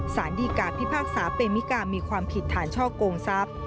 สารดีกาพิพากษาเปมิกามีความผิดฐานช่อกงทรัพย์